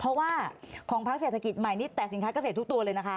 เพราะว่าของพักเศรษฐกิจใหม่นี่แต่สินค้าเกษตรทุกตัวเลยนะคะ